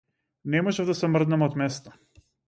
Не можев да се мрднам од место.